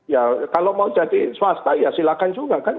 ya kalau mau jadi swasta ya silakan juga kan